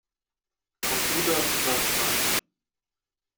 Computer sagt nein.